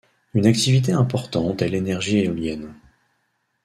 Une activité importante est l'énergie éolienne.